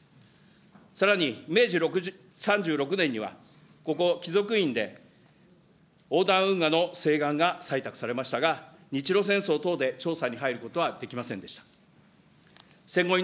さらに明治３６年には、ここ貴族院で、おうだん運河の西岸が採択されましたが、日露戦争等で調査に入ることはできませんでした。